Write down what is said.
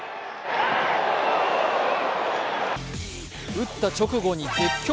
打った直後に絶叫。